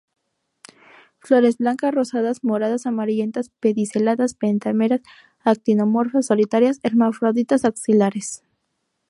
Flores blancas, rosadas, moradas, amarillentas, pediceladas, pentámeras, actinomorfas, solitarias, hermafroditas, axilares.